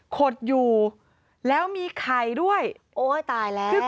ขดอยู่แล้วมีไข่ด้วยโอ๊ยตายแล้ว